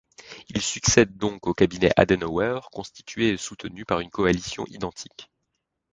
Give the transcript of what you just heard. Il succède donc au cabinet Adenauer, constitué et soutenu par une coalition identique.